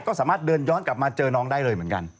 ก็สามารถเดินย้อนกลับมาเจอน้องได้เลยเหมือนกัน